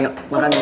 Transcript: yuk makan dulu